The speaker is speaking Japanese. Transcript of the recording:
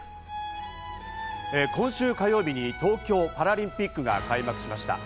今週、火曜日に東京パラリンピックが開幕しました。